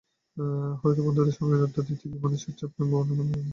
হয়তো বন্ধুদের সঙ্গে আড্ডা দিতে গিয়ে, মানসিক চাপ কিংবা অন্য কোনো কারণে।